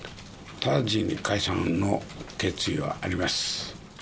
直ちに解散の決意はあります。